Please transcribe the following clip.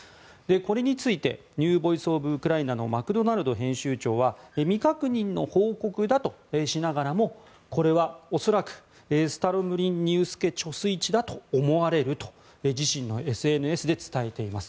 これについてニュー・ボイス・オブ・ウクライナのマクドナルド編集長は未確認の報告だとしながらもこれは恐らくスタロムリンニウスケ貯水池だと思われると自身のＳＮＳで伝えています。